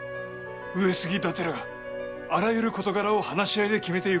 上杉伊達らがあらゆる事柄を話し合いで決めてゆくのです。